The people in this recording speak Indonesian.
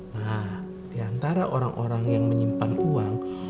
nah diantara orang orang yang menyimpan uang